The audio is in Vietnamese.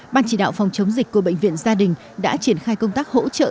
ban chỉ đạo phòng chống dịch của bệnh viện gia đình đã triển khai công tác hỗ trợ